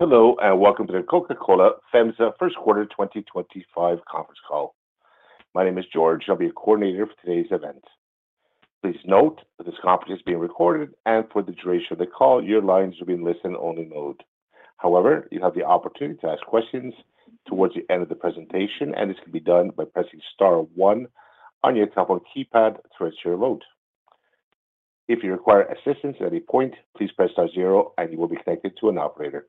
Hello, and welcome to the Coca-Cola FEMSA First Quarter 2025 conference call. My name is George. I'll be your coordinator for today's event. Please note that this conference is being recorded, and for the duration of the call, your lines will be in listen-only mode. However, you have the opportunity to ask questions towards the end of the presentation, and this can be done by pressing star one on your telephone keypad to register your vote. If you require assistance at any point, please press star zero, and you will be connected to an operator.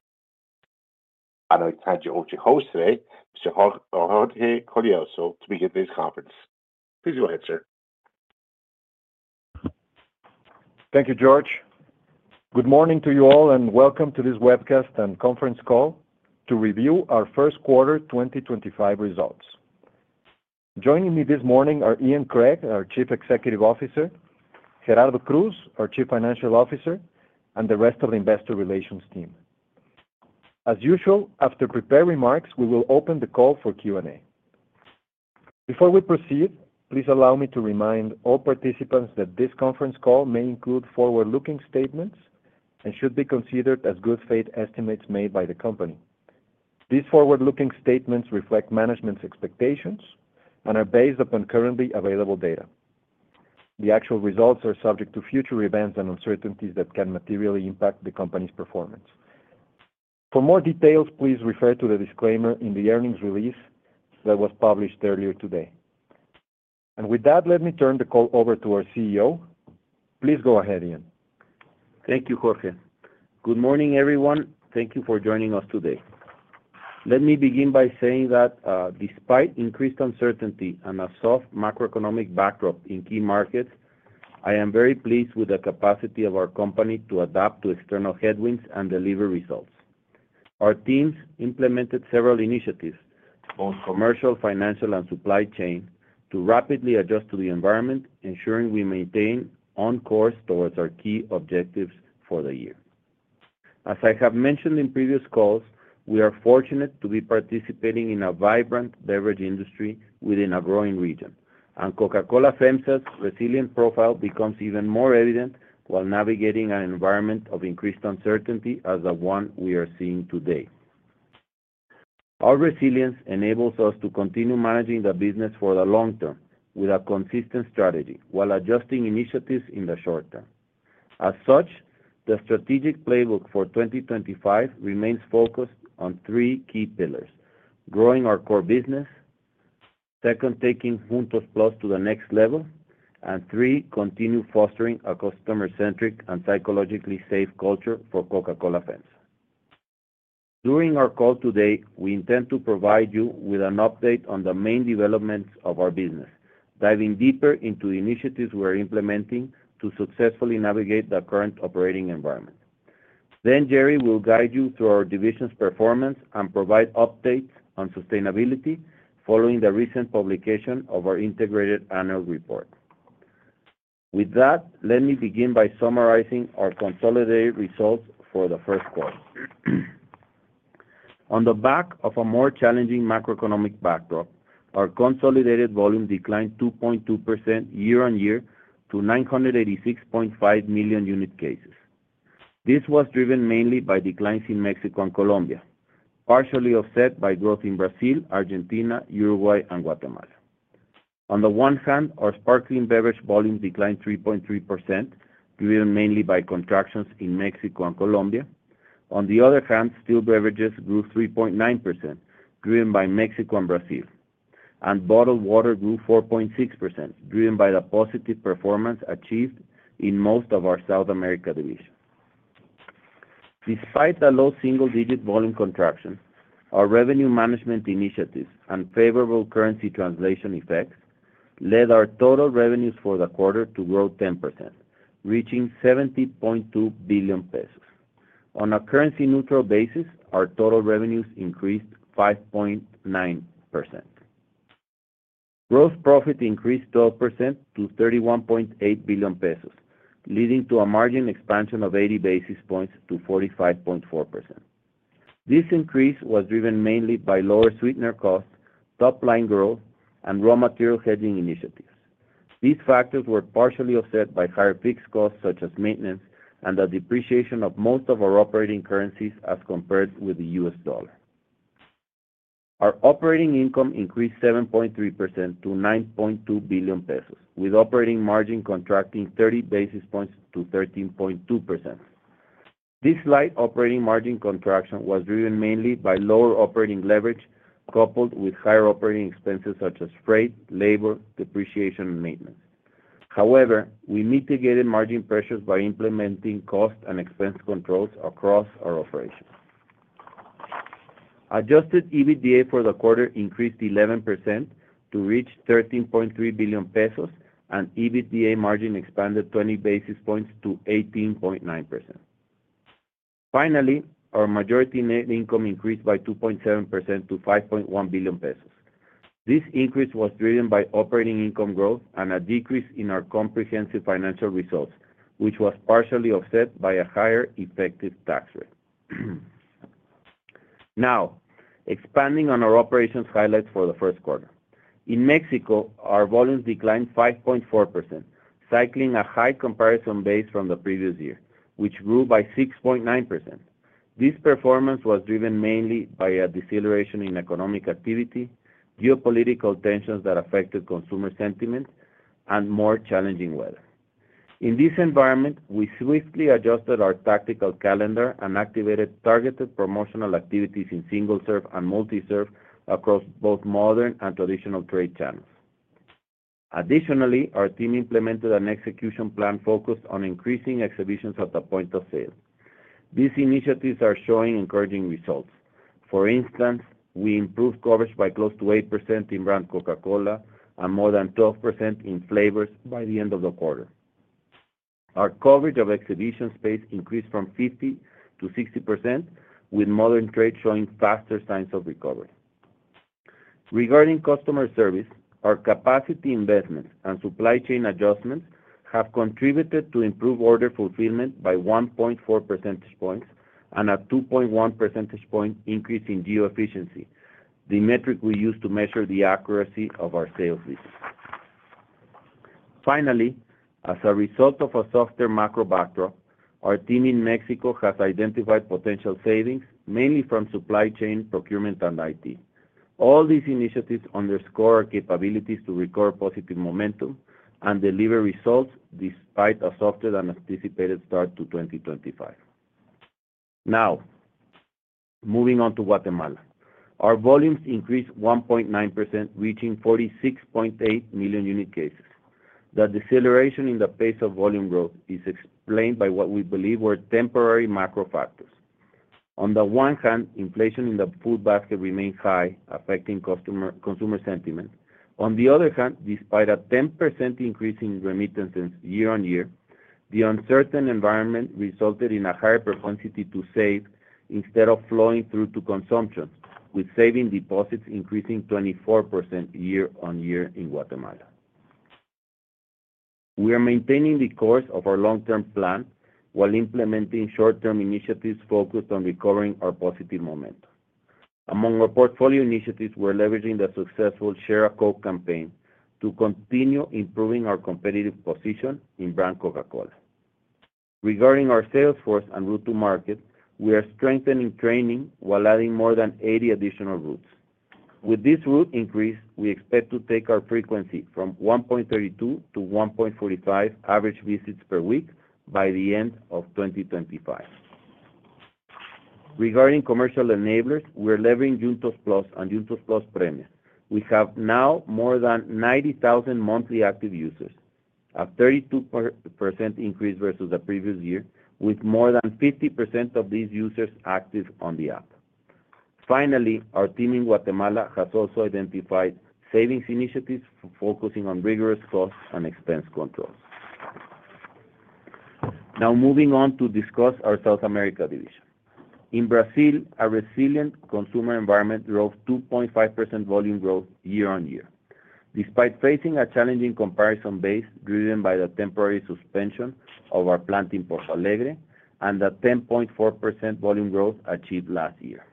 I'd like to hand you over to your host today, Mr. Jorge Collazo, to begin today's conference. Please go ahead, sir. Thank you, George. Good morning to you all, and welcome to this webcast and conference call to review our First Quarter 2025 results. Joining me this morning are Ian Craig, our Chief Executive Officer, Gerardo Cruz, our Chief Financial Officer, and the rest of the Investor Relations team. As usual, after prepared remarks, we will open the call for Q&A. Before we proceed, please allow me to remind all participants that this conference call may include forward-looking statements and should be considered as good faith estimates made by the company. These forward-looking statements reflect management's expectations and are based upon currently available data. The actual results are subject to future events and uncertainties that can materially impact the company's performance. For more details, please refer to the disclaimer in the earnings release that was published earlier today. With that, let me turn the call over to our CEO. Please go ahead, Ian. Thank you, Jorge. Good morning, everyone. Thank you for joining us today. Let me begin by saying that despite increased uncertainty and a soft macroeconomic backdrop in key markets, I am very pleased with the capacity of our company to adapt to external headwinds and deliver results. Our teams implemented several initiatives, both commercial, financial, and supply chain, to rapidly adjust to the environment, ensuring we maintain on course towards our key objectives for the year. As I have mentioned in previous calls, we are fortunate to be participating in a vibrant beverage industry within a growing region, and Coca-Cola FEMSA's resilient profile becomes even more evident while navigating an environment of increased uncertainty as the one we are seeing today. Our resilience enables us to continue managing the business for the long term with a consistent strategy while adjusting initiatives in the short term. As such, the strategic playbook for 2025 remains focused on three key pillars: growing our core business, second, taking Juntos Plus to the next level, and three, continue fostering a customer-centric and psychologically safe culture for Coca-Cola FEMSA. During our call today, we intend to provide you with an update on the main developments of our business, diving deeper into the initiatives we are implementing to successfully navigate the current operating environment. Gerry will guide you through our division's performance and provide updates on sustainability following the recent publication of our integrated annual report. With that, let me begin by summarizing our consolidated results for the First Quarter. On the back of a more challenging macroeconomic backdrop, our consolidated volume declined 2.2% year-on-year to 986.5 million unit cases. This was driven mainly by declines in Mexico and Colombia, partially offset by growth in Brazil, Argentina, Uruguay, and Guatemala. On the one hand, our sparkling beverage volume declined 3.3%, driven mainly by contractions in Mexico and Colombia. On the other hand, still beverages grew 3.9%, driven by Mexico and Brazil. Bottled water grew 4.6%, driven by the positive performance achieved in most of our South America division. Despite the low single-digit volume contraction, our revenue management initiatives and favorable currency translation effects led our total revenues for the quarter to grow 10%, reaching 70.2 billion pesos. On a currency-neutral basis, our total revenues increased 5.9%. Gross profit increased 12% to 31.8 billion pesos, leading to a margin expansion of 80 basis points to 45.4%. This increase was driven mainly by lower sweetener costs, top-line growth, and raw material hedging initiatives. These factors were partially offset by higher fixed costs such as maintenance and the depreciation of most of our operating currencies as compared with the US dollar. Our operating income increased 7.3% to 9.2 billion pesos, with operating margin contracting 30 basis points to 13.2%. This slight operating margin contraction was driven mainly by lower operating leverage coupled with higher operating expenses such as freight, labor, depreciation, and maintenance. However, we mitigated margin pressures by implementing cost and expense controls across our operations. Adjusted EBITDA for the quarter increased 11% to reach 13.3 billion pesos, and EBITDA margin expanded 20 basis points to 18.9%. Finally, our majority net income increased by 2.7% to 5.1 billion pesos. This increase was driven by operating income growth and a decrease in our comprehensive financial results, which was partially offset by a higher effective tax rate. Now, expanding on our operations highlights for the First Quarter. In Mexico, our volumes declined 5.4%, cycling a high comparison base from the previous year, which grew by 6.9%. This performance was driven mainly by a deceleration in economic activity, geopolitical tensions that affected consumer sentiment, and more challenging weather. In this environment, we swiftly adjusted our tactical calendar and activated targeted promotional activities in single-serve and multi-serve across both modern and traditional trade channels. Additionally, our team implemented an execution plan focused on increasing exhibitions at the point of sale. These initiatives are showing encouraging results. For instance, we improved coverage by close to 8% in brand Coca-Cola and more than 12% in flavors by the end of the quarter. Our coverage of exhibition space increased from 50% to 60%, with modern trade showing faster signs of recovery. Regarding customer service, our capacity investments and supply chain adjustments have contributed to improved order fulfillment by 1.4 percentage points and a 2.1 percentage point increase in geoefficiency, the metric we use to measure the accuracy of our sales visits. Finally, as a result of a softer macro backdrop, our team in Mexico has identified potential savings, mainly from supply chain, procurement, and IT. All these initiatives underscore our capabilities to recover positive momentum and deliver results despite a softer than anticipated start to 2025. Now, moving on to Guatemala. Our volumes increased 1.9%, reaching 46.8 million unit cases. The deceleration in the pace of volume growth is explained by what we believe were temporary macro factors. On the one hand, inflation in the food basket remained high, affecting customer sentiment. On the other hand, despite a 10% increase in remittances year-on-year, the uncertain environment resulted in a higher propensity to save instead of flowing through to consumption, with saving deposits increasing 24% year-on-year in Guatemala. We are maintaining the course of our long-term plan while implementing short-term initiatives focused on recovering our positive momentum. Among our portfolio initiatives, we're leveraging the successful Share a Coke campaign to continue improving our competitive position in brand Coca-Cola. Regarding our sales force and route to market, we are strengthening training while adding more than 80 additional routes. With this route increase, we expect to take our frequency from 1.32 to 1.45 average visits per week by the end of 2025. Regarding commercial enablers, we are leveraging Juntos Plus and Juntos Plus Premium. We have now more than 90,000 monthly active users, a 32% increase versus the previous year, with more than 50% of these users active on the app. Finally, our team in Guatemala has also identified savings initiatives focusing on rigorous cost and expense controls. Now, moving on to discuss our South America division. In Brazil, a resilient consumer environment drove 2.5% volume growth year-on-year, despite facing a challenging comparison base driven by the temporary suspension of our plant in Porto Alegre and the 10.4% volume growth achieved last year.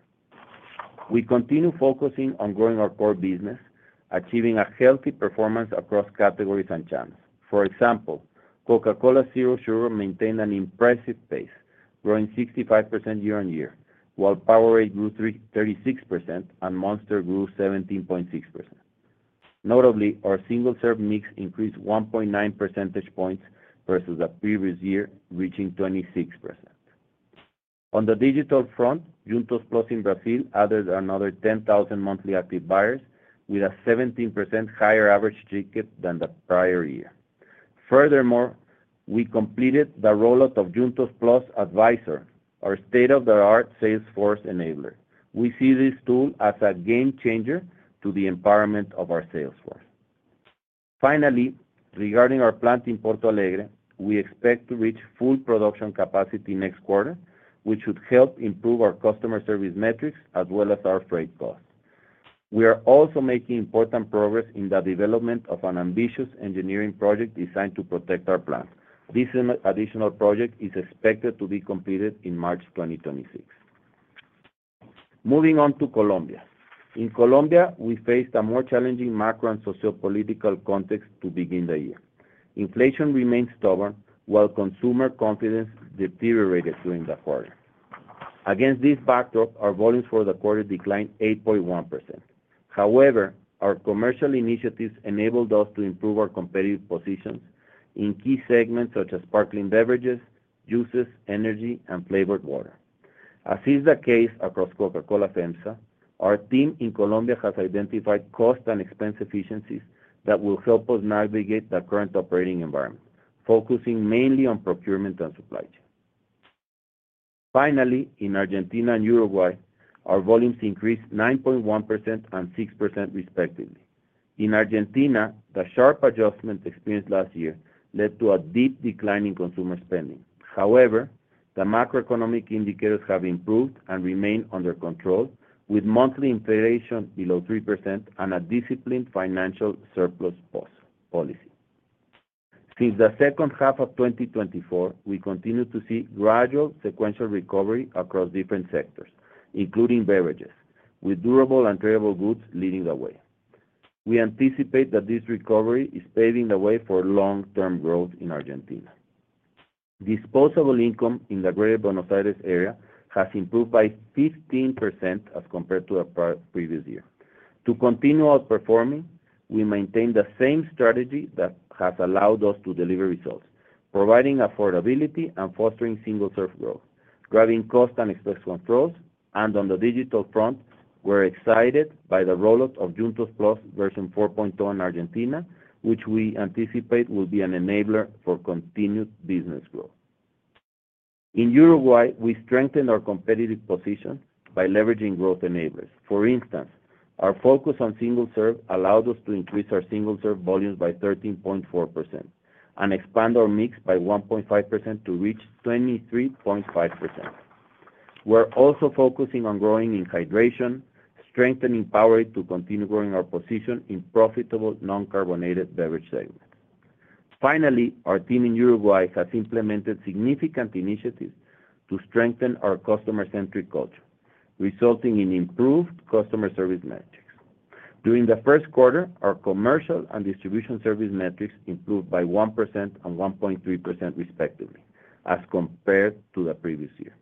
We continue focusing on growing our core business, achieving a healthy performance across categories and channels. For example, Coca-Cola Zero Sugar maintained an impressive pace, growing 65% year-on-year, while Powerade grew 36% and Monster grew 17.6%. Notably, our single-serve mix increased 1.9 percentage points versus the previous year, reaching 26%. On the digital front, Juntos Plus in Brazil added another 10,000 monthly active buyers, with a 17% higher average ticket than the prior year. Furthermore, we completed the rollout of Juntos Plus Advisor, our state-of-the-art sales force enabler. We see this tool as a game changer to the empowerment of our sales force. Finally, regarding our plant in Porto Alegre, we expect to reach full production capacity next quarter, which should help improve our customer service metrics as well as our freight costs. We are also making important progress in the development of an ambitious engineering project designed to protect our plant. This additional project is expected to be completed in March 2026. Moving on to Colombia. In Colombia, we faced a more challenging macro and sociopolitical context to begin the year. Inflation remained stubborn, while consumer confidence deteriorated during the quarter. Against this backdrop, our volumes for the quarter declined 8.1%. However, our commercial initiatives enabled us to improve our competitive positions in key segments such as sparkling beverages, juices, energy, and flavored water. As is the case across Coca-Cola FEMSA, our team in Colombia has identified cost and expense efficiencies that will help us navigate the current operating environment, focusing mainly on procurement and supply chain. Finally, in Argentina and Uruguay, our volumes increased 9.1% and 6% respectively. In Argentina, the sharp adjustment experienced last year led to a deep decline in consumer spending. However, the macroeconomic indicators have improved and remain under control, with monthly inflation below 3% and a disciplined financial surplus policy. Since the second half of 2024, we continue to see gradual sequential recovery across different sectors, including beverages, with durable and tradable goods leading the way. We anticipate that this recovery is paving the way for long-term growth in Argentina. Disposable income in the greater Buenos Aires area has improved by 15% as compared to the previous year. To continue outperforming, we maintain the same strategy that has allowed us to deliver results, providing affordability and fostering single-serve growth, grabbing cost and expense controls. On the digital front, we're excited by the rollout of Juntos+ version 4.2 in Argentina, which we anticipate will be an enabler for continued business growth. In Uruguay, we strengthened our competitive position by leveraging growth enablers. For instance, our focus on single-serve allowed us to increase our single-serve volumes by 13.4% and expand our mix by 1.5% to reach 23.5%. We're also focusing on growing in hydration, strengthening Powerade to continue growing our position in profitable non-carbonated beverage segments. Finally, our team in Uruguay has implemented significant initiatives to strengthen our customer-centric culture, resulting in improved customer service metrics. During the first quarter, our commercial and distribution service metrics improved by 1% and 1.3% respectively, as compared to the previous year.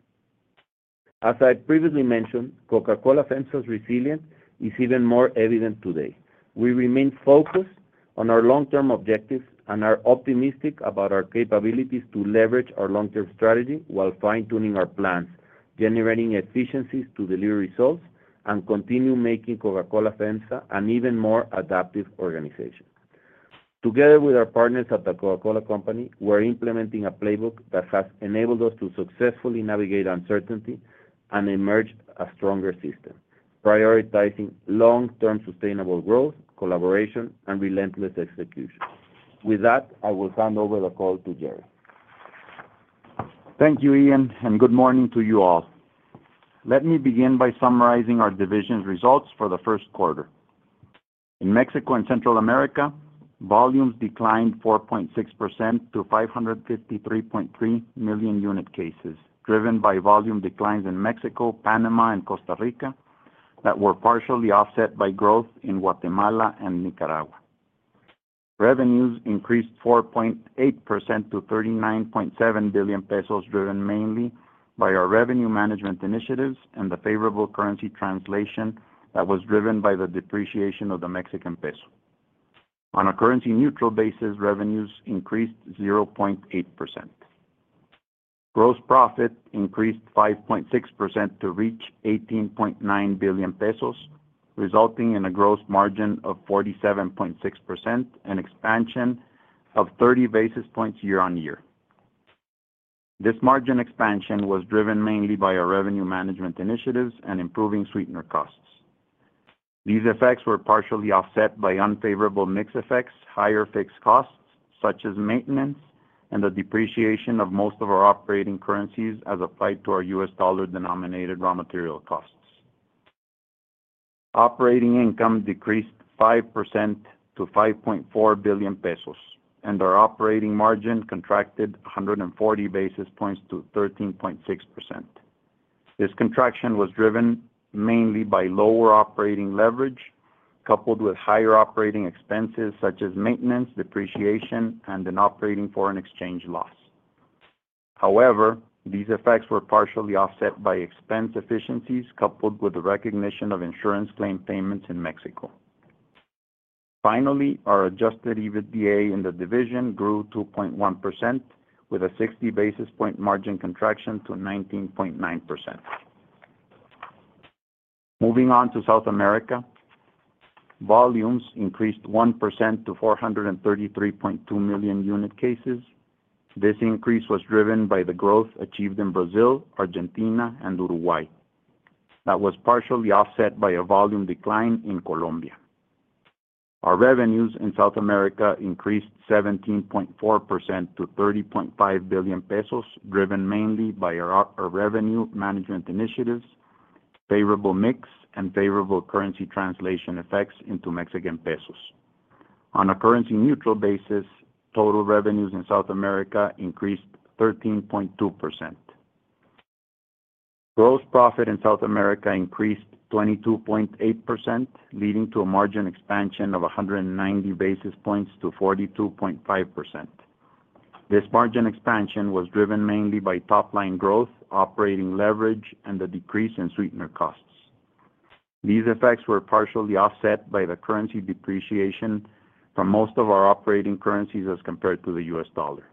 As I previously mentioned, Coca-Cola FEMSA's resilience is even more evident today. We remain focused on our long-term objectives and are optimistic about our capabilities to leverage our long-term strategy while fine-tuning our plans, generating efficiencies to deliver results, and continue making Coca-Cola FEMSA an even more adaptive organization. Together with our partners at the Coca-Cola Company, we're implementing a playbook that has enabled us to successfully navigate uncertainty and emerge a stronger system, prioritizing long-term sustainable growth, collaboration, and relentless execution. With that, I will hand over the call to Gerry. Thank you, Ian, and good morning to you all. Let me begin by summarizing our division's results for the First Quarter. In Mexico and Central America, volumes declined 4.6% to 553.3 million unit cases, driven by volume declines in Mexico, Panama, and Costa Rica that were partially offset by growth in Guatemala and Nicaragua. Revenues increased 4.8% to 39.7 billion pesos, driven mainly by our revenue management initiatives and the favorable currency translation that was driven by the depreciation of the Mexican peso. On a currency-neutral basis, revenues increased 0.8%. Gross profit increased 5.6% to reach 18.9 billion pesos, resulting in a gross margin of 47.6% and expansion of 30 basis points year-on-year. This margin expansion was driven mainly by our revenue management initiatives and improving sweetener costs. These effects were partially offset by unfavorable mix effects, higher fixed costs such as maintenance, and the depreciation of most of our operating currencies as applied to our US dollar-denominated raw material costs. Operating income decreased 5% to 5.4 billion pesos, and our operating margin contracted 140 basis points to 13.6%. This contraction was driven mainly by lower operating leverage coupled with higher operating expenses such as maintenance, depreciation, and an operating foreign exchange loss. However, these effects were partially offset by expense efficiencies coupled with the recognition of insurance claim payments in Mexico. Finally, our adjusted EBITDA in the division grew 2.1% with a 60 basis point margin contraction to 19.9%. Moving on to South America, volumes increased 1% to 433.2 million unit cases. This increase was driven by the growth achieved in Brazil, Argentina, and Uruguay that was partially offset by a volume decline in Colombia. Our revenues in South America increased 17.4% to 30.5 billion pesos, driven mainly by our revenue management initiatives, favorable mix, and favorable currency translation effects into Mexican pesos. On a currency-neutral basis, total revenues in South America increased 13.2%. Gross profit in South America increased 22.8%, leading to a margin expansion of 190 basis points to 42.5%. This margin expansion was driven mainly by top-line growth, operating leverage, and the decrease in sweetener costs. These effects were partially offset by the currency depreciation for most of our operating currencies as compared to the US dollar.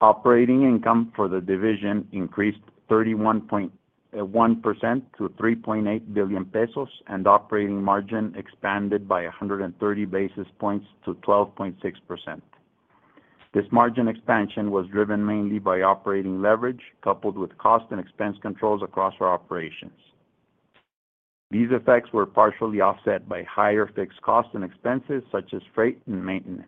Operating income for the division increased 31.1% to 3.8 billion pesos, and operating margin expanded by 130 basis points to 12.6%. This margin expansion was driven mainly by operating leverage coupled with cost and expense controls across our operations. These effects were partially offset by higher fixed costs and expenses such as freight and maintenance.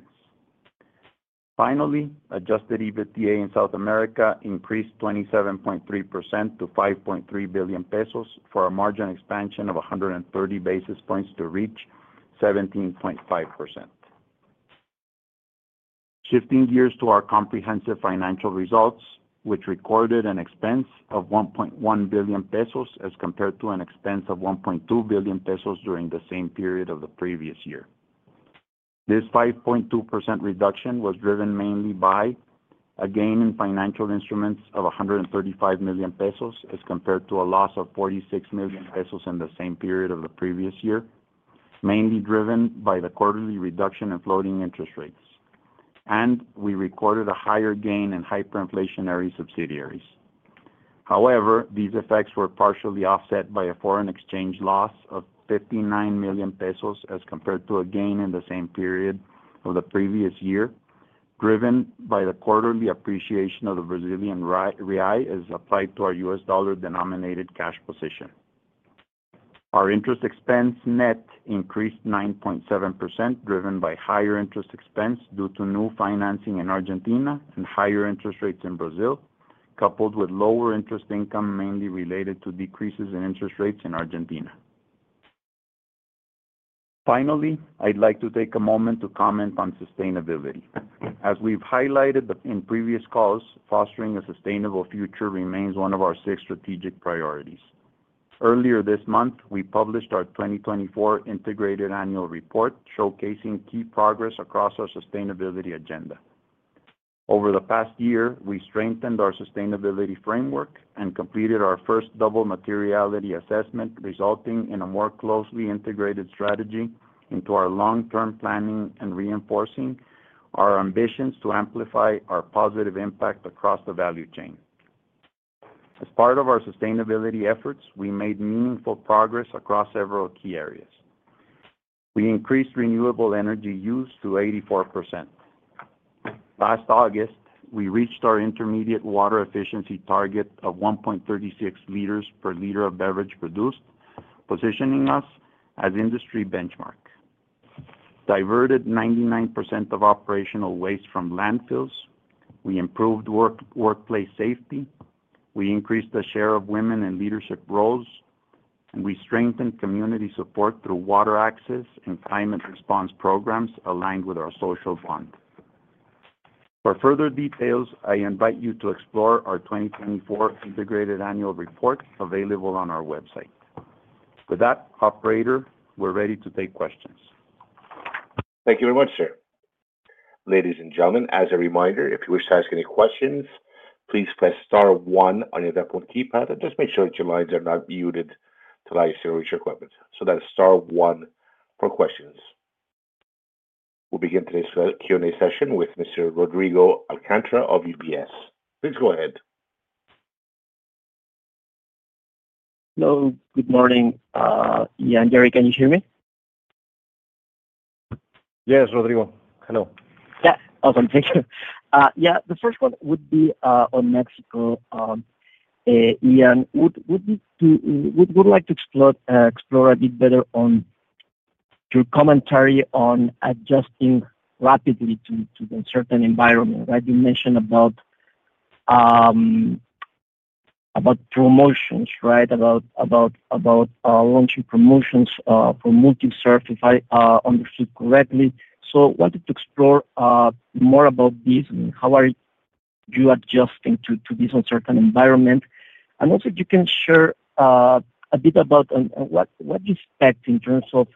Finally, adjusted EBITDA in South America increased 27.3% to 5.3 billion pesos for a margin expansion of 130 basis points to reach 17.5%. Shifting gears to our comprehensive financial results, which recorded an expense of 1.1 billion pesos as compared to an expense of 1.2 billion pesos during the same period of the previous year. This 5.2% reduction was driven mainly by a gain in financial instruments of 135 million pesos as compared to a loss of 46 million pesos in the same period of the previous year, mainly driven by the quarterly reduction in floating interest rates, and we recorded a higher gain in hyperinflationary subsidiaries. However, these effects were partially offset by a foreign exchange loss of 59 million pesos as compared to a gain in the same period of the previous year, driven by the quarterly appreciation of the Brazilian real as applied to our US dollar-denominated cash position. Our interest expense net increased 9.7%, driven by higher interest expense due to new financing in Argentina and higher interest rates in Brazil, coupled with lower interest income mainly related to decreases in interest rates in Argentina. Finally, I'd like to take a moment to comment on sustainability. As we've highlighted in previous calls, fostering a sustainable future remains one of our six strategic priorities. Earlier this month, we published our 2024 Integrated Annual Report, showcasing key progress across our sustainability agenda. Over the past year, we strengthened our sustainability framework and completed our first double materiality assessment, resulting in a more closely integrated strategy into our long-term planning and reinforcing our ambitions to amplify our positive impact across the value chain. As part of our sustainability efforts, we made meaningful progress across several key areas. We increased renewable energy use to 84%. Last August, we reached our intermediate water efficiency target of 1.36 liters per liter of beverage produced, positioning us as industry benchmark. Diverted 99% of operational waste from landfills, we improved workplace safety, we increased the share of women in leadership roles, and we strengthened community support through water access and climate response programs aligned with our social bond. For further details, I invite you to explore our 2024 Integrated Annual Report available on our website. With that, Operator, we're ready to take questions. Thank you very much, sir. Ladies and gentlemen, as a reminder, if you wish to ask any questions, please press star one on your deckboard keypad and just make sure that your lines are not muted to allow you to reach your equipment. That's star one for questions. We'll begin today's Q&A session with Mr. Rodrigo Alcantara of UBS. Please go ahead. Hello. Good morning. Ian, Gerry, can you hear me? Yes, Rodrigo. Hello. Yeah. Awesome. Thank you. Yeah. The first one would be on Mexico. Ian, we'd like to explore a bit better on your commentary on adjusting rapidly to a certain environment, right? You mentioned about promotions, right, about launching promotions for multi-service, if I understood correctly. I wanted to explore more about this and how are you adjusting to this uncertain environment. Also, if you can share a bit about what you expect in terms of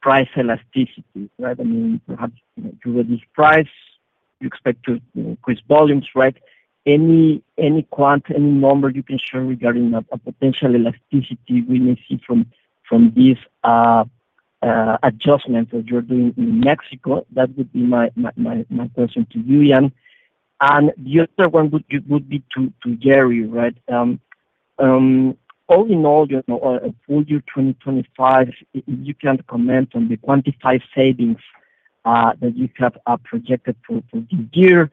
price elasticity, right? I mean, perhaps you raise price, you expect to increase volumes, right? Any quant, any number you can share regarding a potential elasticity we may see from these adjustments that you're doing in Mexico? That would be my question to you, Ian. The other one would be to Gerry, right? All in all, for the year 2025, if you can comment on the quantified savings that you have projected for this year,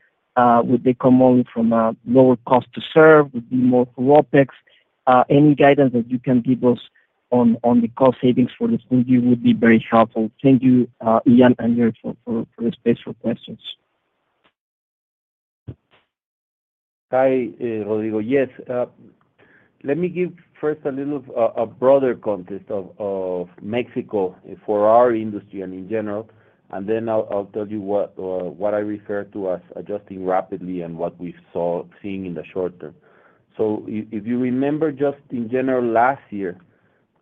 would they come only from a lower cost to serve, would it be more for OpEx? Any guidance that you can give us on the cost savings for this would be very helpful. Thank you, Ian and Gerry, for the space for questions. Hi, Rodrigo. Yes. Let me give first a little broader context of Mexico for our industry and in general, and then I'll tell you what I refer to as adjusting rapidly and what we've seen in the short term. If you remember, just in general, last year,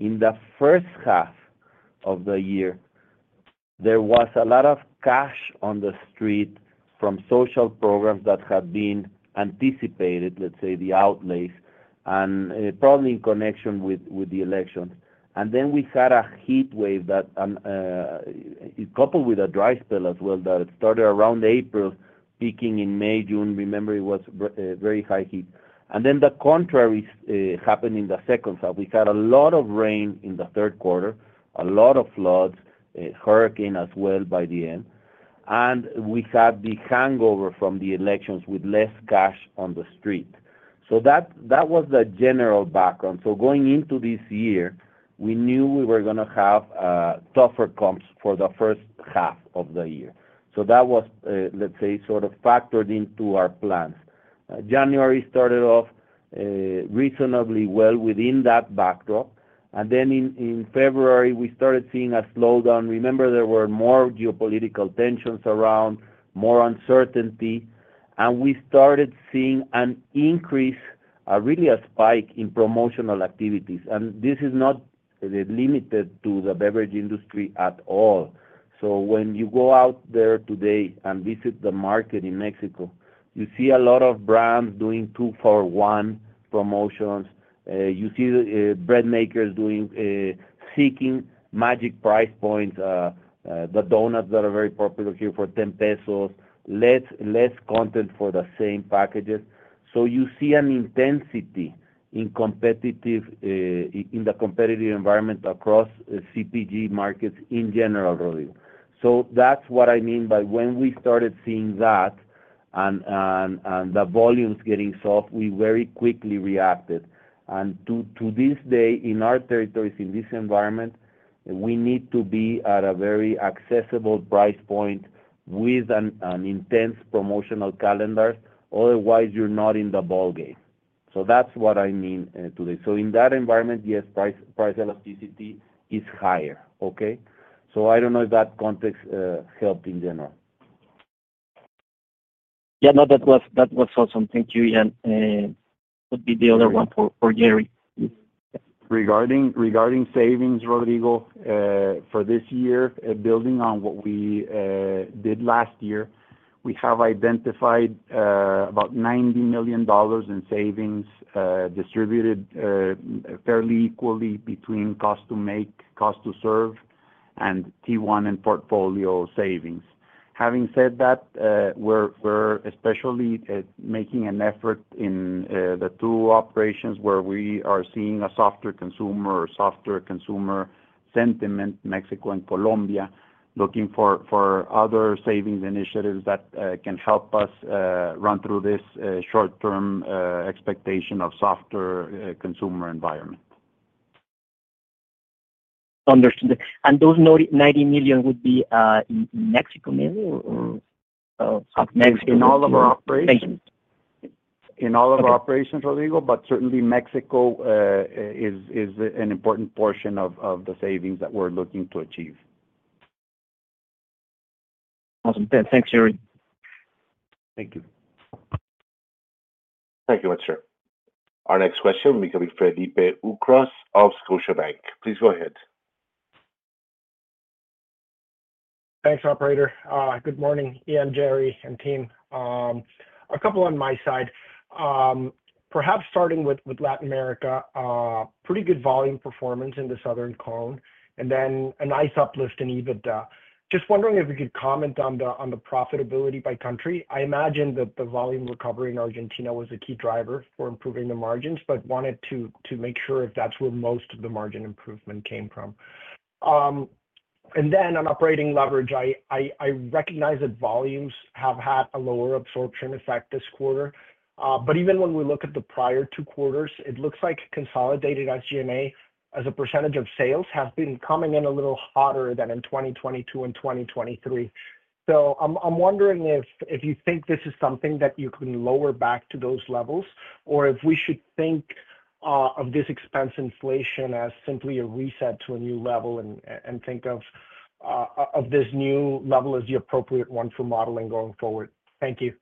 in the first half of the year, there was a lot of cash on the street from social programs that had been anticipated, let's say the outlays, and probably in connection with the elections. We had a heat wave that, coupled with a dry spell as well, started around April, peaking in May, June. Remember, it was very high heat. The contrary happened in the second half. We had a lot of rain in the third quarter, a lot of floods, hurricane as well by the end, and we had the hangover from the elections with less cash on the street. That was the general background. Going into this year, we knew we were going to have tougher comps for the first half of the year. That was, let's say, sort of factored into our plans. January started off reasonably well within that backdrop. In February, we started seeing a slowdown. Remember, there were more geopolitical tensions around, more uncertainty, and we started seeing an increase, really a spike in promotional activities. This is not limited to the beverage industry at all. When you go out there today and visit the market in Mexico, you see a lot of brands doing two-for-one promotions. You see bread makers seeking magic price points, the donuts that are very popular here for 10 pesos, less content for the same packages. You see an intensity in the competitive environment across CPG markets in general, Rodrigo. That is what I mean by when we started seeing that and the volumes getting soft, we very quickly reacted. To this day, in our territories, in this environment, we need to be at a very accessible price point with an intense promotional calendar. Otherwise, you are not in the ballgame. That is what I mean today. In that environment, yes, price elasticity is higher. Okay? I do not know if that context helped in general. Yeah. No, that was awesome. Thank you, Ian. That would be the other one for Gerry. Regarding savings, Rodrigo, for this year, building on what we did last year, we have identified about $90 million in savings distributed fairly equally between cost to make, cost to serve, and T one and portfolio savings. Having said that, we are especially making an effort in the two operations where we are seeing a softer consumer or softer consumer sentiment, Mexico and Colombia, looking for other savings initiatives that can help us run through this short-term expectation of softer consumer environment. Understood. And those $90 million would be in Mexico maybe or South Mexico? In all of our operations. In all of our operations, Rodrigo, but certainly Mexico is an important portion of the savings that we are looking to achieve. Awesome. Thanks, Gerry. Thank you. Thank you very much sir. Our next question will be coming from Felipe Ucros of Scotiabank. Please go ahead. Thanks, Operator. Good morning, Ian, Gerry, and team. A couple on my side. Perhaps starting with Latin America, pretty good volume performance in the southern cone, and then a nice uplift in EBITDA. Just wondering if you could comment on the profitability by country. I imagine that the volume recovery in Argentina was a key driver for improving the margins, but wanted to make sure if that's where most of the margin improvement came from. On operating leverage, I recognize that volumes have had a lower absorption effect this quarter. Even when we look at the prior two quarters, it looks like consolidated SG&A as a percentage of sales has been coming in a little hotter than in 2022 and 2023. I'm wondering if you think this is something that you can lower back to those levels, or if we should think of this expense inflation as simply a reset to a new level and think of this new level as the appropriate one for modeling going forward. Thank you.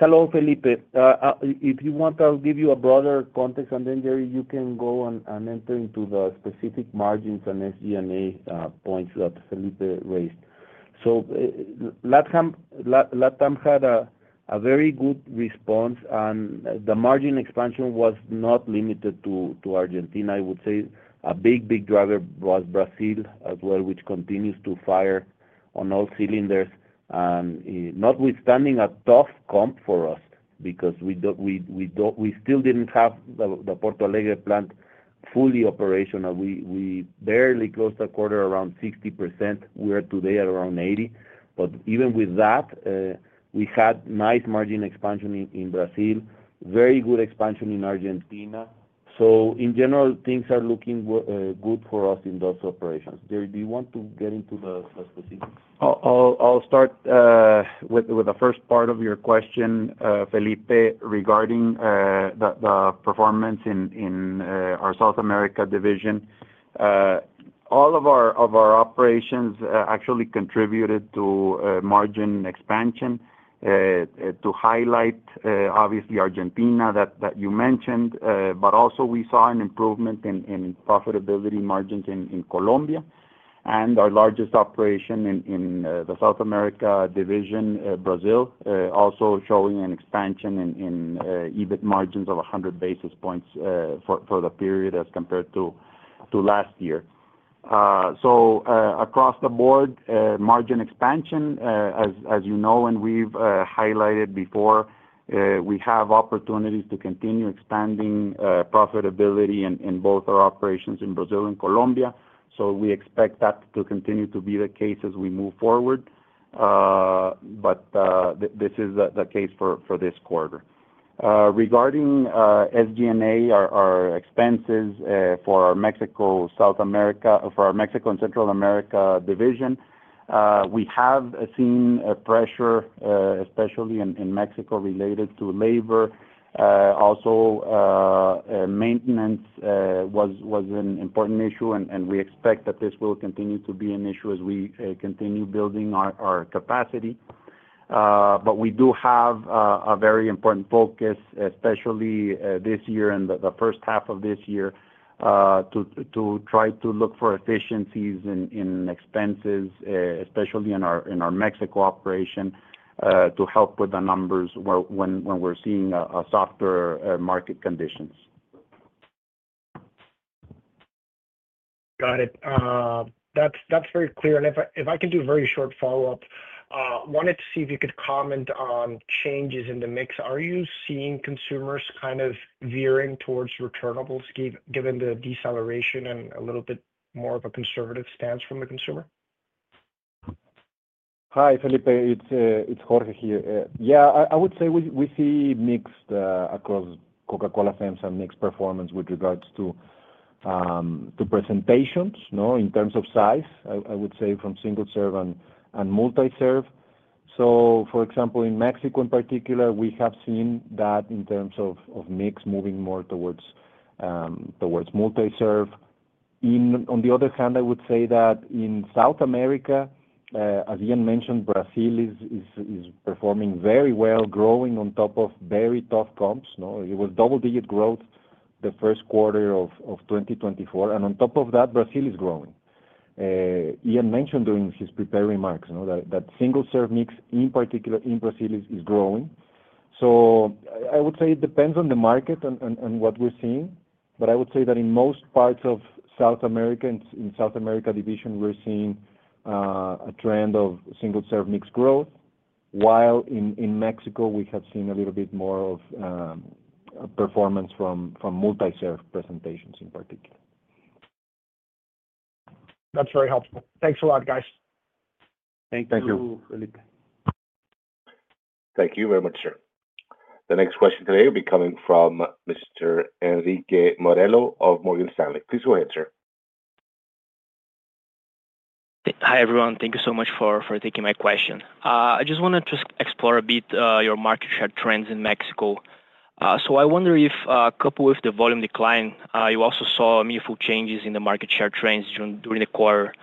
Hello, Felipe. If you want, I'll give you a broader context, and then, Gerry, you can go and enter into the specific margins and SG&A points that Felipe raised. LATAM had a very good response, and the margin expansion was not limited to Argentina. I would say a big, big driver was Brazil as well, which continues to fire on all cylinders, notwithstanding a tough comp for us because we still didn't have the Porto Alegre plant fully operational. We barely closed the quarter around 60%. We are today at around 80. Even with that, we had nice margin expansion in Brazil, very good expansion in Argentina. In general, things are looking good for us in those operations. Gerry, do you want to get into the specifics? I'll start with the first part of your question, Felipe, regarding the performance in our South America division. All of our operations actually contributed to margin expansion to highlight, obviously, Argentina that you mentioned, but also we saw an improvement in profitability margins in Colombia. Our largest operation in the South America division, Brazil, also showing an expansion in EBIT margins of 100 basis points for the period as compared to last year. Across the board, margin expansion, as you know, and we've highlighted before, we have opportunities to continue expanding profitability in both our operations in Brazil and Colombia. We expect that to continue to be the case as we move forward, but this is the case for this quarter. Regarding SG&A, our expenses for our Mexico and Central America division, we have seen pressure, especially in Mexico, related to labor. Also, maintenance was an important issue, and we expect that this will continue to be an issue as we continue building our capacity. We do have a very important focus, especially this year and the first half of this year, to try to look for efficiencies in expenses, especially in our Mexico operation, to help with the numbers when we're seeing softer market conditions. Got it. That's very clear. If I can do a very short follow-up, I wanted to see if you could comment on changes in the mix. Are you seeing consumers kind of veering towards returnables given the deceleration and a little bit more of a conservative stance from the consumer? Hi, Felipe. It's Jorge here. Yeah. I would say we see mixed across Coca-Cola FEMSA, mixed performance with regards to presentations in terms of size, I would say, from single serve and multi-serve. For example, in Mexico in particular, we have seen that in terms of mix moving more towards multi-serve. On the other hand, I would say that in South America, as Ian mentioned, Brazil is performing very well, growing on top of very tough comps. It was double-digit growth the first quarter of 2024. On top of that, Brazil is growing. Ian mentioned during his preparing remarks that single serve mix in particular in Brazil is growing. I would say it depends on the market and what we're seeing, but I would say that in most parts of South America, in South America division, we're seeing a trend of single serve mix growth, while in Mexico, we have seen a little bit more of performance from multi-serve presentations in particular. That's very helpful. Thanks a lot, guys. Thank you, Felipe. Thank you very much, sir. The next question today will be coming from Mr. Henrique Morello of Morgan Stanley. Please go ahead, sir. Hi everyone. Thank you so much for taking my question. I just wanted to explore a bit your market share trends in Mexico. I wonder if, coupled with the volume decline, you also saw meaningful changes in the market share trends during the quarter.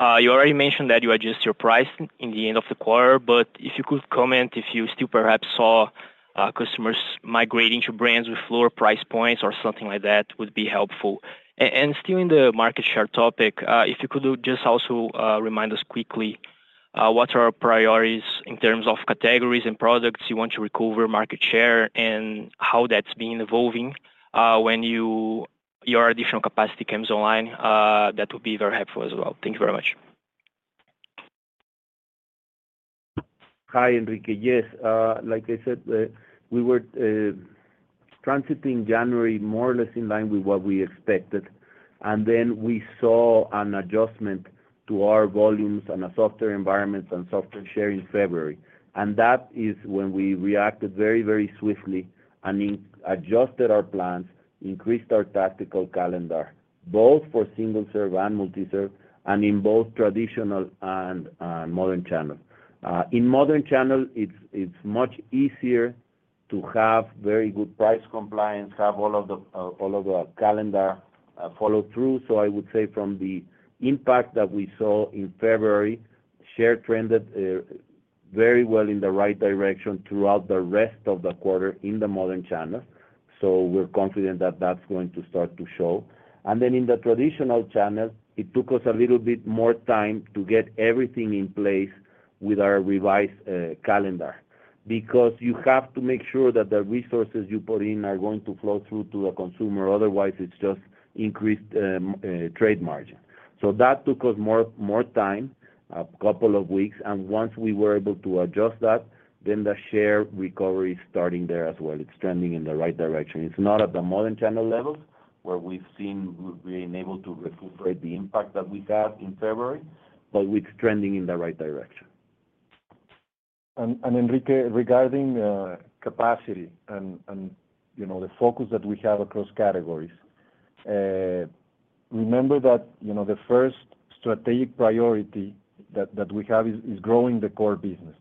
You already mentioned that you adjusted your price in the end of the quarter, but if you could comment if you still perhaps saw customers migrating to brands with lower price points or something like that would be helpful. Still in the market share topic, if you could just also remind us quickly what are our priorities in terms of categories and products you want to recover market share and how that's been evolving when your additional capacity comes online. That would be very helpful as well. Thank you very much. Hi, Henrique. Yes. Like I said, we were transiting January more or less in line with what we expected, and then we saw an adjustment to our volumes and a softer environment and softer share in February. That is when we reacted very, very swiftly and adjusted our plans, increased our tactical calendar, both for single serve and multi-serve, and in both traditional and modern channels. In modern channels, it is much easier to have very good price compliance, have all of the calendar follow-through. I would say from the impact that we saw in February, share trended very well in the right direction throughout the rest of the quarter in the modern channels. We are confident that is going to start to show. In the traditional channels, it took us a little bit more time to get everything in place with our revised calendar because you have to make sure that the resources you put in are going to flow through to the consumer. Otherwise, it is just increased trade margin. That took us more time, a couple of weeks. Once we were able to adjust that, the share recovery is starting there as well. It is trending in the right direction. It is not at the modern channel levels where we have been able to recuperate the impact that we had in February, but it is trending in the right direction. Henrique, regarding capacity and the focus that we have across categories, remember that the first strategic priority that we have is growing the core business.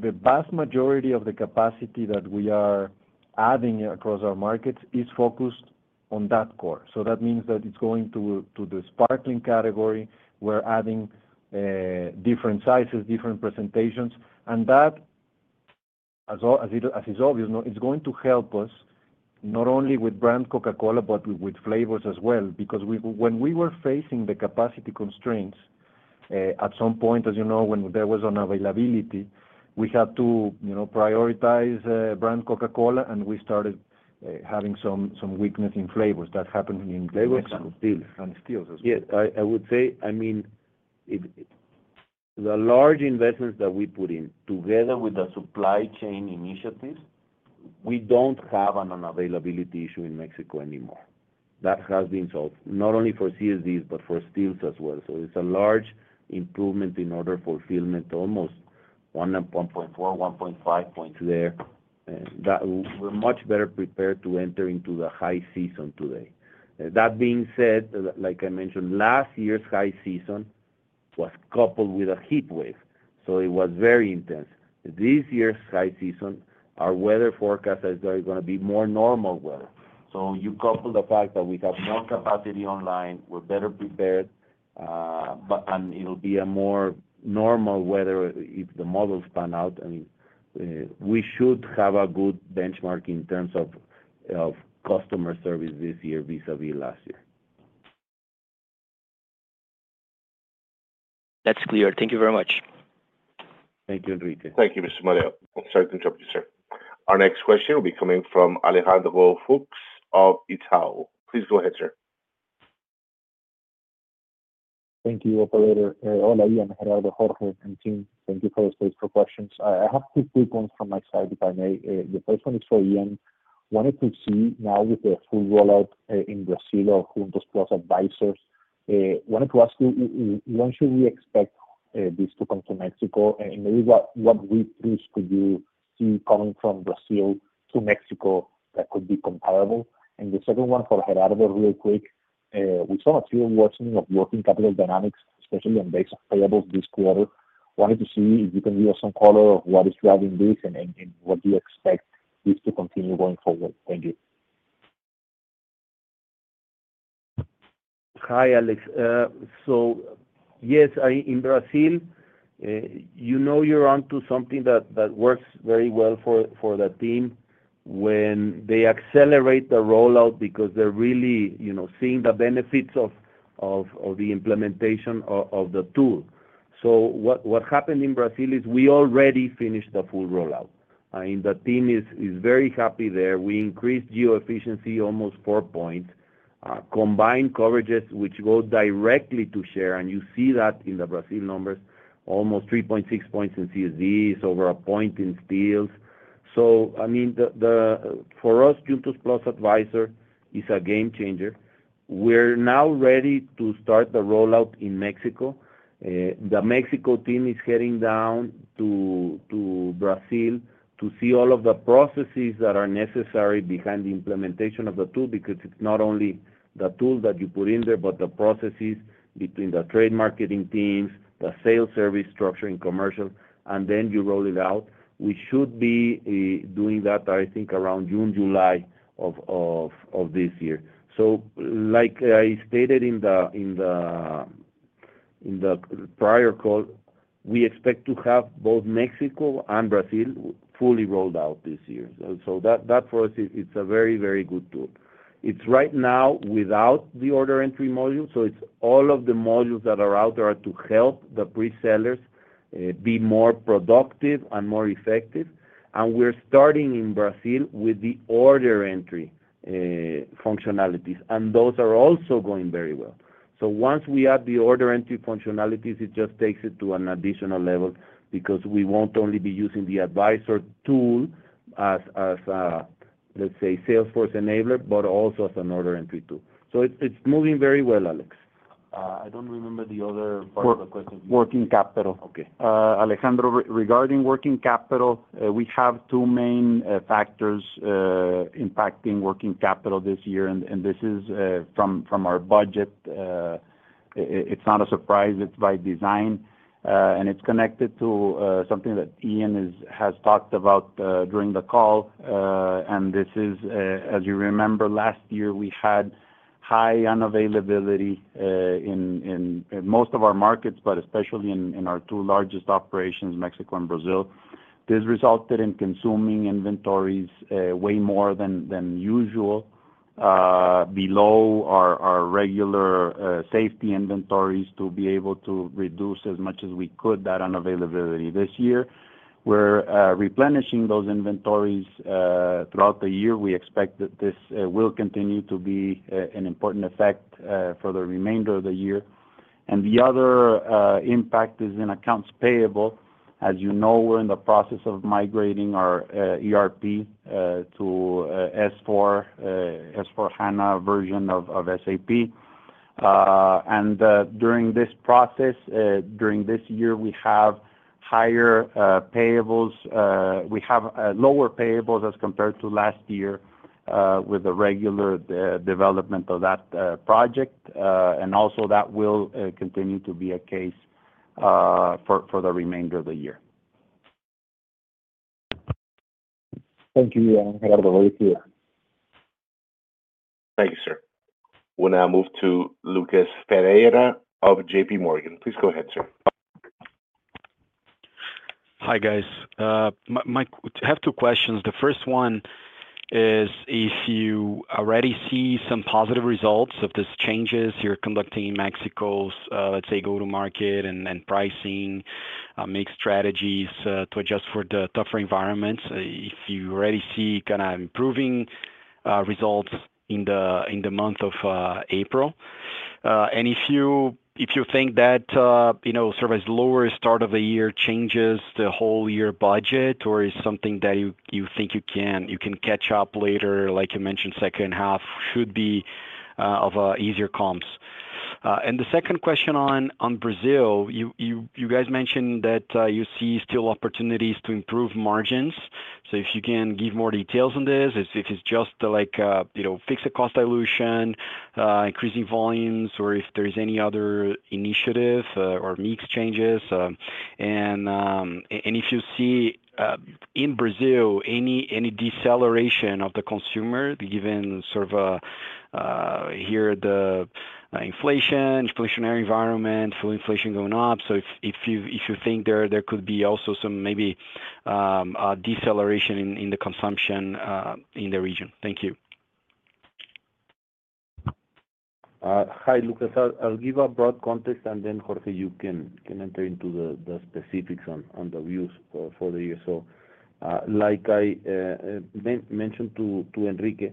The vast majority of the capacity that we are adding across our markets is focused on that core. That means it is going to the sparkling category. We are adding different sizes, different presentations. That, as is obvious, is going to help us not only with brand Coca-Cola, but with flavors as well. Because when we were facing the capacity constraints at some point, as you know, when there was unavailability, we had to prioritize brand Coca-Cola, and we started having some weakness in flavors. That happened in Mexico. And stills as well. Yeah. I would say, I mean, the large investments that we put in together with the supply chain initiatives, we do not have an unavailability issue in Mexico anymore. That has been solved, not only for CSDs, but for stills as well. It is a large improvement in order fulfillment, almost 1.4-1.5 percentage points there. We are much better prepared to enter into the high season today. That being said, like I mentioned, last year's high season was coupled with a heat wave, so it was very intense. This year's high season, our weather forecast is going to be more normal weather. You couple the fact that we have more capacity online, we're better prepared, and it'll be a more normal weather if the models pan out. I mean, we should have a good benchmark in terms of customer service this year vis-à-vis last year. That's clear. Thank you very much. Thank you, Enrique. Thank you, Mr. Morelo. Sorry to interrupt you, sir. Our next question will be coming from Alejandro Fuchs of Itaú. Please go ahead, sir. Thank you, Operator. Hola, Ian, Gerardo, Jorge, and team. Thank you for the space for questions. I have two quick ones from my side if I may. The first one is for Ian. Wanted to see now with the full rollout in Brazil of Juntos+ Advisors. Wanted to ask you, when should we expect this to come to Mexico? Maybe what week groups could you see coming from Brazil to Mexico that could be comparable? The second one for Gerardo, real quick. We saw a clear worsening of working capital dynamics, especially on base of payables this quarter. Wanted to see if you can give us some color of what is driving this and what do you expect this to continue going forward. Thank you. Hi, Alex. Yes, in Brazil, you're onto something that works very well for the team when they accelerate the rollout because they're really seeing the benefits of the implementation of the tool. What happened in Brazil is we already finished the full rollout. The team is very happy there. We increased geoefficiency almost four points, combined coverages which go directly to share. You see that in the Brazil numbers, almost 3.6 percentage points in CSDs, over a point in stills. I mean, for us, Juntos+ Advisor is a game changer. We are now ready to start the rollout in Mexico. The Mexico team is heading down to Brazil to see all of the processes that are necessary behind the implementation of the tool because it is not only the tool that you put in there, but the processes between the trade marketing teams, the sales service structure in commercial, and then you roll it out. We should be doing that, I think, around June-July of this year. Like I stated in the prior call, we expect to have both Mexico and Brazil fully rolled out this year. That, for us, is a very, very good tool. It is right now without the order entry module. It is all of the modules that are out there to help the pre-sellers be more productive and more effective. We are starting in Brazil with the order entry functionalities, and those are also going very well. Once we add the order entry functionalities, it just takes it to an additional level because we will not only be using the advisor tool as, let's say, Salesforce enabler, but also as an order entry tool. It is moving very well, Alex. I do not remember the other part of the question. Working capital. Alejandro, regarding working capital, we have two main factors impacting working capital this year, and this is from our budget. It is not a surprise. It is by design. It is connected to something that Ian has talked about during the call. As you remember, last year, we had high unavailability in most of our markets, but especially in our two largest operations, Mexico and Brazil. This resulted in consuming inventories way more than usual, below our regular safety inventories to be able to reduce as much as we could that unavailability. This year, we're replenishing those inventories throughout the year. We expect that this will continue to be an important effect for the remainder of the year. The other impact is in accounts payable. As you know, we're in the process of migrating our ERP to S/4HANA version of SAP. During this process, during this year, we have higher payables. We have lower payables as compared to last year with the regular development of that project. Also, that will continue to be a case for the remainder of the year. Thank you, Gerardo here. Thank you, sir. We'll now move to Lucas Ferreira of J.P. Morgan. Please go ahead, sir. Hi, guys. I have two questions. The first one is if you already see some positive results of these changes you're conducting in Mexico's, let's say, go-to-market and pricing mix strategies to adjust for the tougher environments, if you already see kind of improving results in the month of April. If you think that sort of as lower start of the year changes the whole year budget, or is something that you think you can catch up later, like you mentioned, second half should be of easier comps. The second question on Brazil, you guys mentioned that you see still opportunities to improve margins. If you can give more details on this, if it's just like fixed cost dilution, increasing volumes, or if there's any other initiative or mix changes. If you see in Brazil any deceleration of the consumer, given sort of here the inflation, inflationary environment, full inflation going up, do you think there could be also some maybe deceleration in the consumption in the region? Thank you. Hi, Lucas. I'll give a broad context, and then Jorge, you can enter into the specifics on the views for the year. Like I mentioned to Enrique,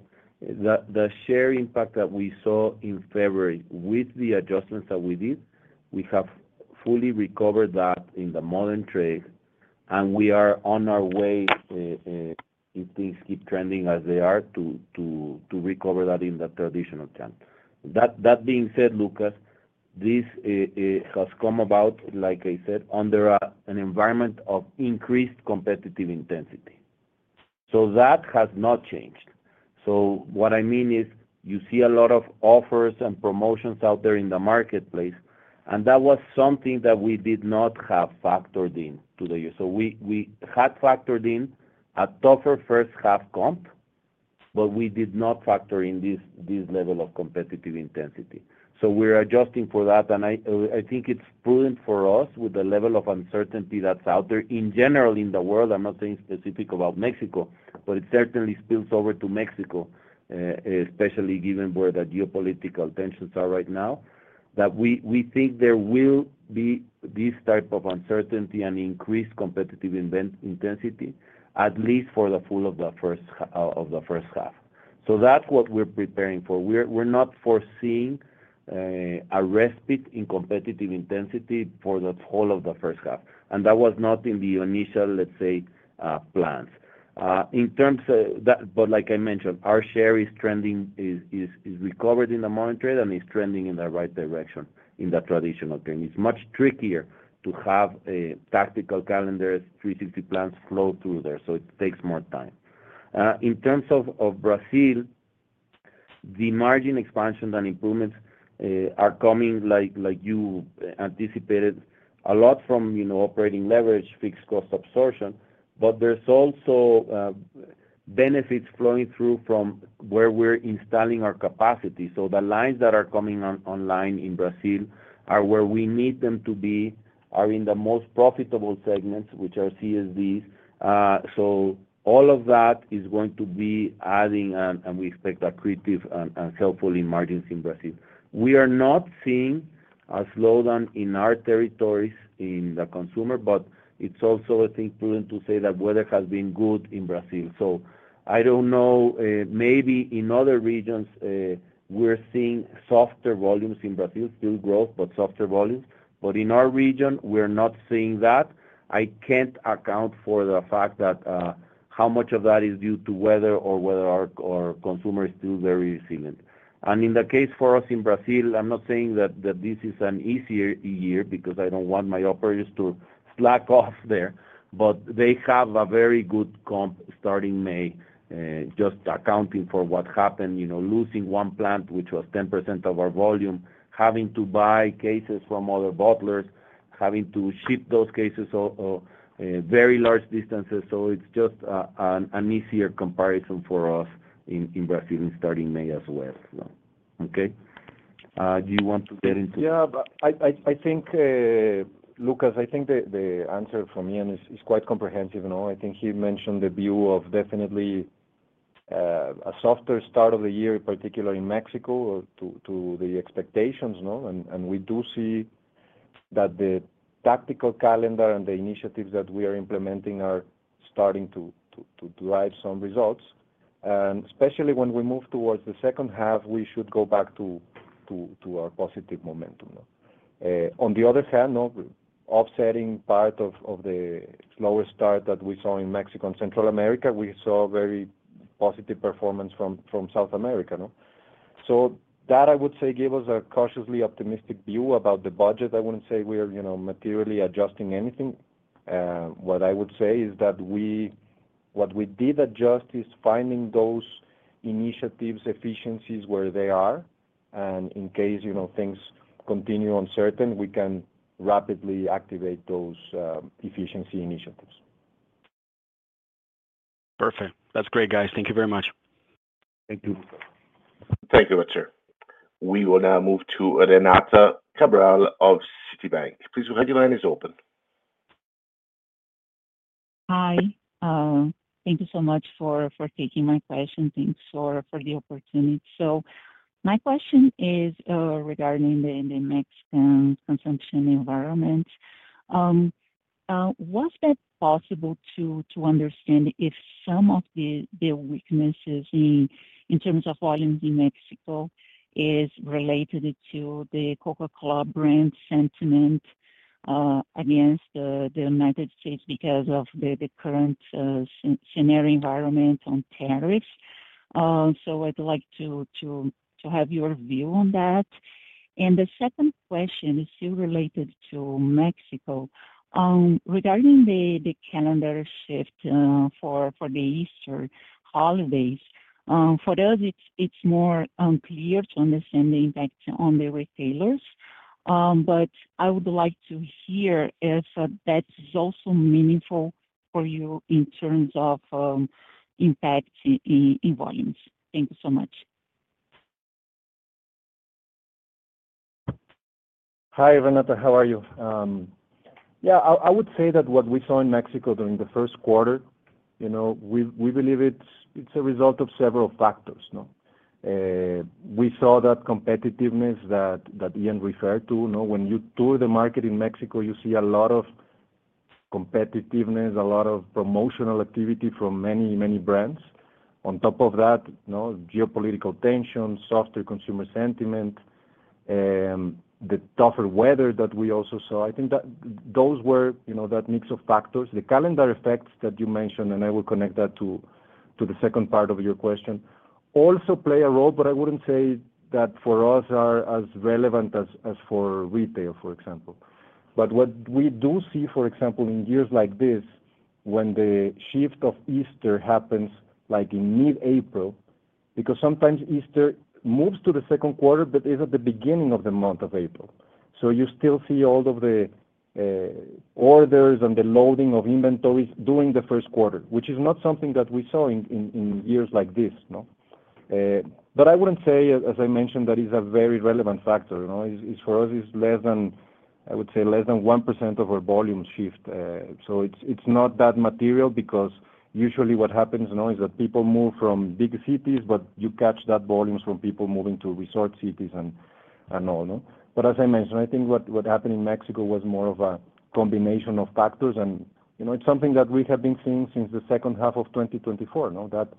the share impact that we saw in February with the adjustments that we did, we have fully recovered that in the modern trade. We are on our way, if things keep trending as they are, to recover that in the traditional channel. That being said, Lucas, this has come about, like I said, under an environment of increased competitive intensity. That has not changed. What I mean is you see a lot of offers and promotions out there in the marketplace, and that was something that we did not have factored in to the year. We had factored in a tougher first half comp, but we did not factor in this level of competitive intensity. We are adjusting for that. I think it is prudent for us with the level of uncertainty that is out there. In general, in the world, I am not saying specific about Mexico, but it certainly spills over to Mexico, especially given where the geopolitical tensions are right now, that we think there will be this type of uncertainty and increased competitive intensity, at least for the full of the first half. That is what we are preparing for. We are not foreseeing a respite in competitive intensity for the whole of the first half. That was not in the initial, let's say, plans. Like I mentioned, our share is recovered in the modern trade and is trending in the right direction in the traditional trade. It is much trickier to have tactical calendars, 360 plans flow through there. It takes more time. In terms of Brazil, the margin expansion and improvements are coming, like you anticipated, a lot from operating leverage, fixed cost absorption, but there are also benefits flowing through from where we are installing our capacity. The lines that are coming online in Brazil are where we need them to be, are in the most profitable segments, which are CSDs. All of that is going to be adding, and we expect that creative and helpful in margins in Brazil. We are not seeing a slowdown in our territories in the consumer, but it's also, I think, prudent to say that weather has been good in Brazil. I don't know, maybe in other regions, we're seeing softer volumes in Brazil, still growth, but softer volumes. In our region, we're not seeing that. I can't account for the fact that how much of that is due to weather or whether our consumer is still very resilient. In the case for us in Brazil, I'm not saying that this is an easier year because I don't want my operators to slack off there, but they have a very good comp starting May, just accounting for what happened, losing one plant, which was 10% of our volume, having to buy cases from other bottlers, having to ship those cases very large distances. It is just an easier comparison for us in Brazil starting May as well. Okay? Do you want to get into? Yeah. I think, Lucas, I think the answer from Ian is quite comprehensive. I think he mentioned the view of definitely a softer start of the year, particularly in Mexico, to the expectations. We do see that the tactical calendar and the initiatives that we are implementing are starting to drive some results. Especially when we move towards the second half, we should go back to our positive momentum. On the other hand, offsetting part of the slower start that we saw in Mexico and Central America, we saw very positive performance from South America. That, I would say, gives us a cautiously optimistic view about the budget. I would not say we are materially adjusting anything. What I would say is that what we did adjust is finding those initiatives, efficiencies where they are. In case things continue uncertain, we can rapidly activate those efficiency initiatives. Perfect. That's great, guys. Thank you very much. Thank you. Thank you very much sir. We will now move to Renata Cabral of Citibank. Please go ahead. Your line is open. Hi. Thank you so much for taking my question. Thanks for the opportunity. My question is regarding the Mexican consumption environment. Was that possible to understand if some of the weaknesses in terms of volumes in Mexico is related to the Coca-Cola brand sentiment against the United States because of the current scenario environment on tariffs? I would like to have your view on that. The second question is still related to Mexico. Regarding the calendar shift for the Easter holidays, for us, it's more unclear to understand the impact on the retailers. I would like to hear if that's also meaningful for you in terms of impact in volumes. Thank you so much. Hi, Renata. How are you? Yeah. I would say that what we saw in Mexico during the first quarter, we believe it's a result of several factors. We saw that competitiveness that Ian referred to. When you tour the market in Mexico, you see a lot of competitiveness, a lot of promotional activity from many, many brands. On top of that, geopolitical tensions, softer consumer sentiment, the tougher weather that we also saw. I think that those were that mix of factors. The calendar effects that you mentioned, and I will connect that to the second part of your question, also play a role, but I wouldn't say that for us are as relevant as for retail, for example. What we do see, for example, in years like this, when the shift of Easter happens in mid-April, because sometimes Easter moves to the second quarter, but it's at the beginning of the month of April. You still see all of the orders and the loading of inventories during the first quarter, which is not something that we saw in years like this. I wouldn't say, as I mentioned, that it's a very relevant factor. For us, it's less than, I would say, less than 1% of our volume shift. It is not that material because usually what happens is that people move from big cities, but you catch that volume from people moving to resort cities and all. As I mentioned, I think what happened in Mexico was more of a combination of factors. It is something that we have been seeing since the second half of 2024, that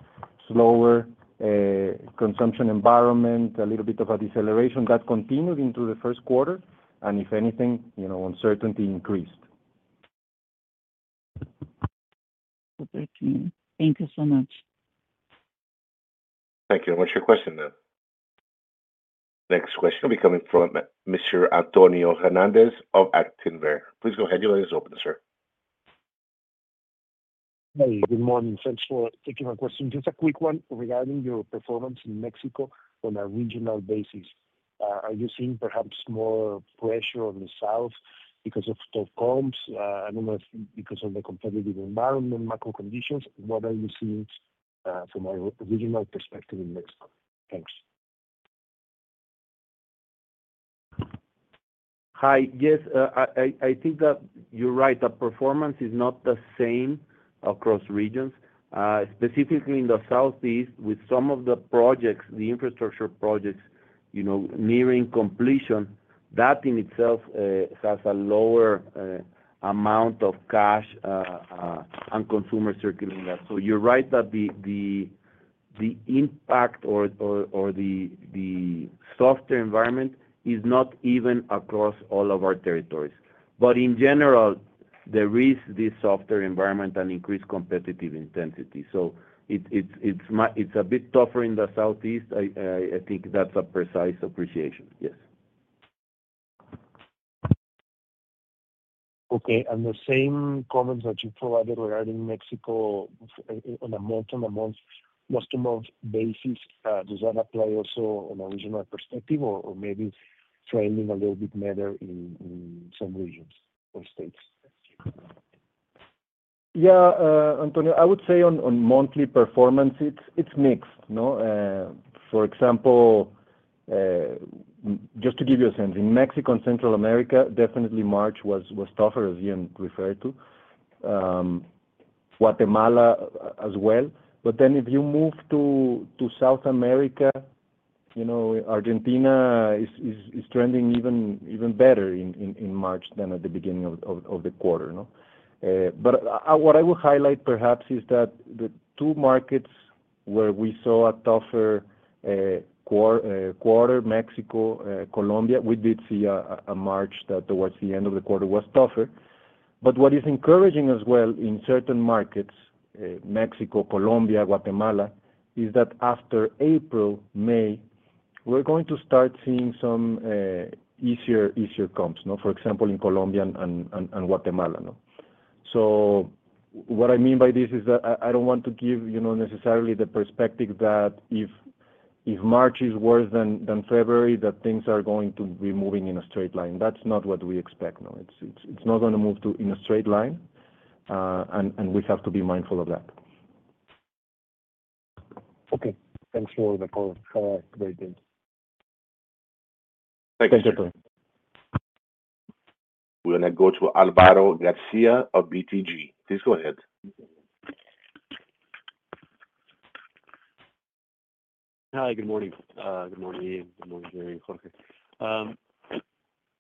slower consumption environment, a little bit of a deceleration that continued into the first quarter. If anything, uncertainty increased. Thank you so much. Thank you. What is your question then? Next question will be coming from Mr. Antonio Hernández of Actinver. Please go ahead. Your line is open, sir. Hey, good morning. Thanks for taking my question. Just a quick one regarding your performance in Mexico on a regional basis. Are you seeing perhaps more pressure on the south because of comps and because of the competitive environment, macro conditions? What are you seeing from a regional perspective in Mexico? Thanks. Hi. Yes, I think that you're right. The performance is not the same across regions. Specifically in the southeast, with some of the projects, the infrastructure projects nearing completion, that in itself has a lower amount of cash and consumer circulating that. You're right that the impact or the softer environment is not even across all of our territories. In general, there is this softer environment and increased competitive intensity. It's a bit tougher in the southeast. I think that's a precise appreciation. Yes. Okay. The same comments that you provided regarding Mexico on a month-to-month basis, does that apply also on a regional perspective or maybe trending a little bit better in some regions or states? Yeah, Antonio, I would say on monthly performance, it's mixed. For example, just to give you a sense, in Mexico and Central America, definitely March was tougher, as Ian referred to. Guatemala as well. If you move to South America, Argentina is trending even better in March than at the beginning of the quarter. What I would highlight perhaps is that the two markets where we saw a tougher quarter, Mexico, Colombia, we did see a March that towards the end of the quarter was tougher. What is encouraging as well in certain markets, Mexico, Colombia, Guatemala, is that after April, May, we're going to start seeing some easier comps, for example, in Colombia and Guatemala. What I mean by this is that I don't want to give necessarily the perspective that if March is worse than February, that things are going to be moving in a straight line. That's not what we expect. It's not going to move in a straight line, and we have to be mindful of that. Okay. Thanks for the call. Have a great day. Thank you. Thanks Antonio. We're going to go to Alvaro Garcia of BTG. Please go ahead. Hi, good morning. Good morning, Ian. Good morning, Jerry and Jorge.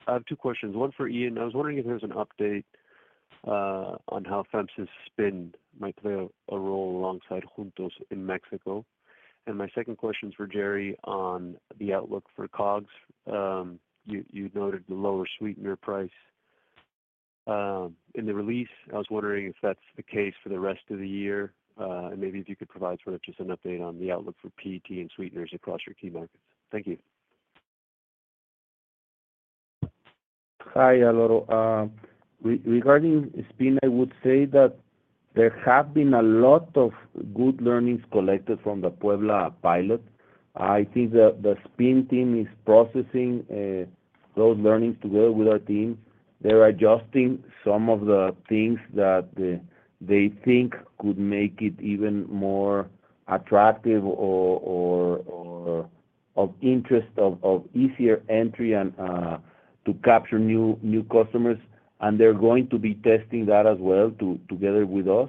I have two questions. One for Ian. I was wondering if there's an update on how FEMSA's SPIN might play a role alongside Juntos in Mexico. My second question is for Jerry on the outlook for COGS. You noted the lower sweetener price in the release. I was wondering if that's the case for the rest of the year, and maybe if you could provide sort of just an update on the outlook for PET and sweeteners across your key markets. Thank you. Hi, Alvaro. Regarding SPIN, I would say that there have been a lot of good learnings collected from the Puebla pilot. I think the SPIN team is processing those learnings together with our team. They're adjusting some of the things that they think could make it even more attractive or of interest, of easier entry to capture new customers. They're going to be testing that as well together with us.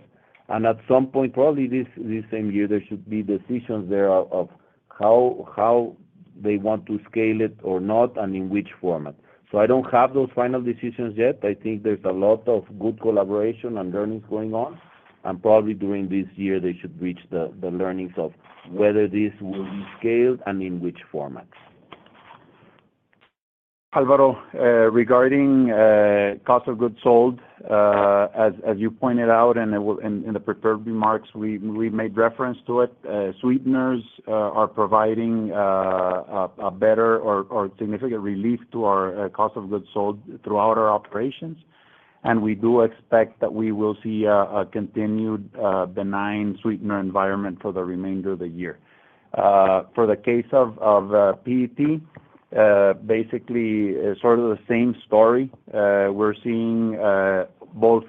At some point, probably this same year, there should be decisions there of how they want to scale it or not and in which format. I do not have those final decisions yet. I think there is a lot of good collaboration and learnings going on. Probably during this year, they should reach the learnings of whether this will be scaled and in which format. Alvaro, regarding cost of goods sold, as you pointed out in the prepared remarks, we made reference to it. Sweeteners are providing a better or significant relief to our cost of goods sold throughout our operations. We do expect that we will see a continued benign sweetener environment for the remainder of the year. For the case of PET, basically sort of the same story. We're seeing both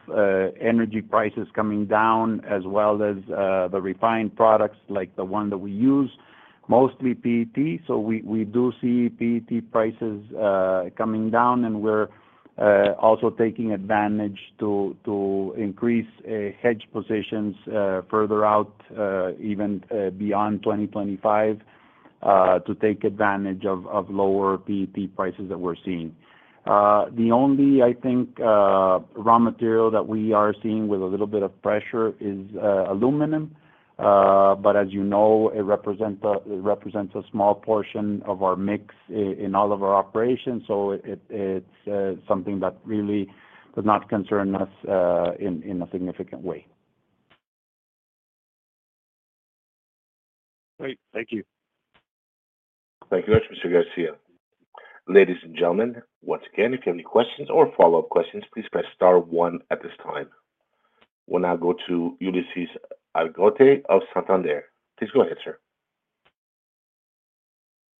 energy prices coming down as well as the refined products like the one that we use, mostly PET. We do see PET prices coming down, and we're also taking advantage to increase hedge positions further out, even beyond 2025, to take advantage of lower PET prices that we're seeing. The only, I think, raw material that we are seeing with a little bit of pressure is aluminum. As you know, it represents a small portion of our mix in all of our operations. It is something that really does not concern us in a significant way. Great. Thank you. Thank you very much, Mr. García. Ladies and gentlemen, once again, if you have any questions or follow-up questions, please press star one at this time. We'll now go to Ulises Argote of Santander. Please go ahead, sir.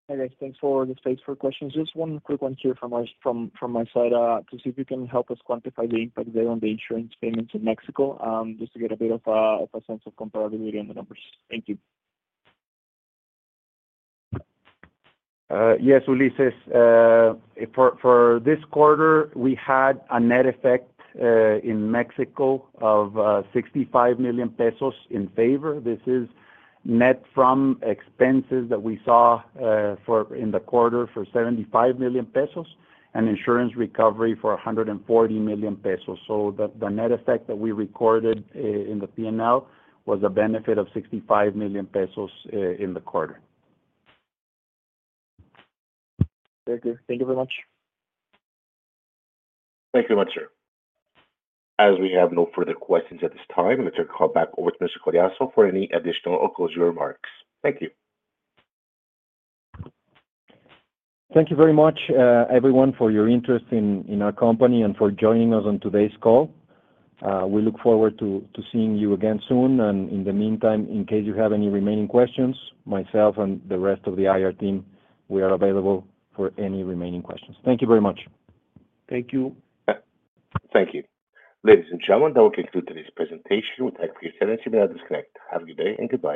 Hey, guys. Thanks for the space for questions. Just one quick one here from my side to see if you can help us quantify the impact there on the insurance payments in Mexico just to get a bit of a sense of comparability on the numbers. Thank you. Yes, Ulysses. For this quarter, we had a net effect in Mexico of 65 million pesos in favor. This is net from expenses that we saw in the quarter for 75 million pesos and insurance recovery for 140 million pesos. The net effect that we recorded in the P&L was a benefit of 65 million pesos in the quarter. Thank you. Thank you very much. Thank you very much, sir. As we have no further questions at this time, let's call back over to Mr. Collazo for any additional or closing remarks. Thank you. Thank you very much, everyone, for your interest in our company and for joining us on today's call. We look forward to seeing you again soon. In the meantime, in case you have any remaining questions, myself and the rest of the IR team, we are available for any remaining questions. Thank you very much. Thank you. Thank you. Ladies and gentlemen, that will conclude today's presentation. We thank you for your attention. We now disconnect. Have a good day and goodbye.